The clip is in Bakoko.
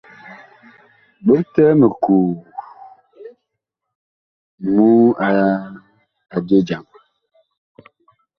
Bogtɛɛ mikoo mu a je jam.